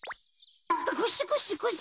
ゴシゴシゴシゴシ。